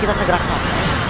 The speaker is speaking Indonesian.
apapun yang diingin dirinya